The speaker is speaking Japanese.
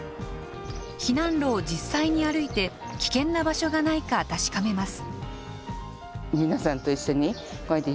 避難路を実際に歩いて危険な場所がないか確かめます。